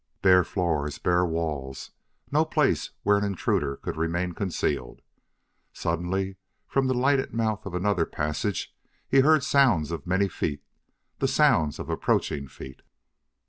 Bare floors, bare walls no place where an intruder could remain concealed! Suddenly from the lighted mouth of another passage he heard sounds of many feet; the sounds of approaching feet.